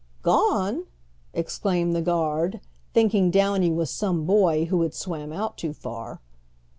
"Gone!" exclaimed the guard, thinking Downy was some boy who had swam out too far.